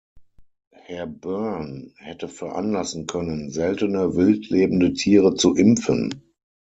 Herr Byrne hätte veranlassen können, seltene wild lebende Tiere zu impfen.